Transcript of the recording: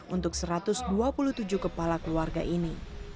untuk satu ratus dua puluh tujuh kepala keluarga ini